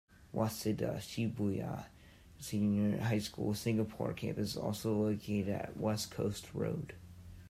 Waseda Shibuya Senior High School Singapore campus is also located at West Coast Road.